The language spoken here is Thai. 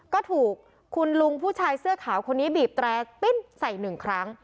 ก็ถูกคุณลุงผู้ชายเสื้อขาวคนนี้บีบแตรปิ้นใส่หนึ่งครั้ง